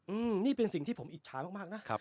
อืมนี่เป็นสิ่งที่ผมอิจฉามากมากนะครับ